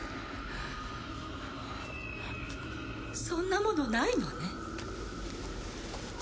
そんなものないのね？